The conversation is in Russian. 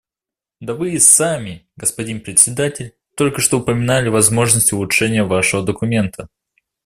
Да вы и сами, господин Председатель, только что упоминали возможность улучшения вашего документа.